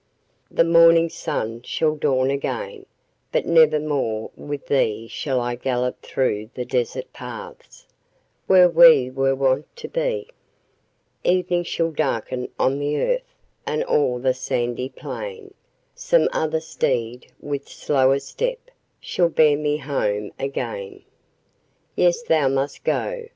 The morning sun shall dawn again, but never more with thee Shall I gallop through the desert paths, where we were wont to be: Evening shall darken on the earth; and o'er the sandy plain, Some other steed, with slower step, shall bear me home again. Yes, thou must go!